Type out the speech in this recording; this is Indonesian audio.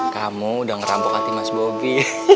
kamu udah ngerampok hati mas bobi